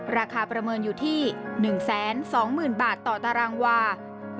ประเมินอยู่ที่๑๒๐๐๐บาทต่อตารางวา